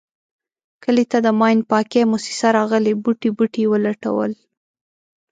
کلي ته د ماین پاکی موسیسه راغلې بوټی بوټی یې و لټولو.